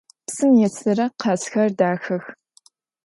Psım yêsıre khazxer daxex.